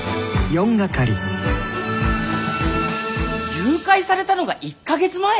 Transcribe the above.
誘拐されたのが１か月前！？